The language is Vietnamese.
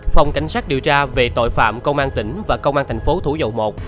phòng cảnh sát điều tra về tội phạm công an tỉnh và công an thành phố thủ dầu một